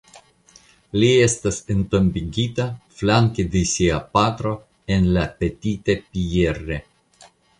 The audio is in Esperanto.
Li estas entombigita flanke de sia patro en La Petite Pierre.